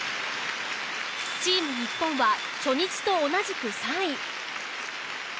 チーム日本は初日と同じく３位。